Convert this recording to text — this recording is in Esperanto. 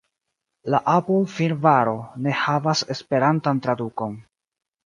La Apple-firmvaro ne havas esperantan tradukon.